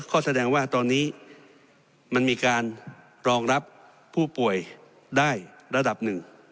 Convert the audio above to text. ก็แสดงว่าตอนนี้มันมีการรองรับผู้ป่วยได้ระดับหนึ่ง